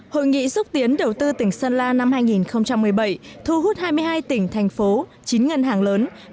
hội nghị xúc tiến đầu tư tỉnh sơn la năm hai nghìn một mươi bảy thu hút hai mươi hai tỉnh thành phố chín ngân hàng lớn